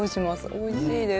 おいしいです。